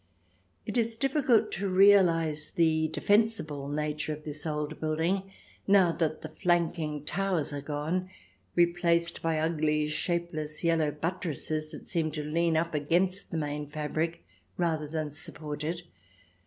It is difficult to realize the defensible nature of the old building now that the flanking towers are gone, replaced by ugly, shapeless, yellow buttresses that seem to lean up against the main fabric rather than support it.